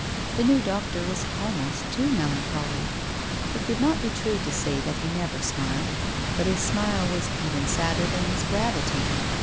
The new doctor was almost too melancholy. It would not be true to say that he never smiled, but his smile was even sadder than his gravity.